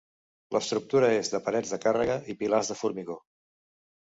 L'estructura és de parets de càrrega i pilars de formigó.